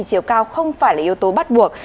chiều cao không phải là yếu tố bắt buộc